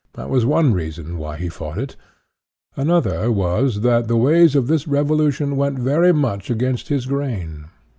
That was one reason why he fought it Another was that the ways of this revolution went very much against his grain.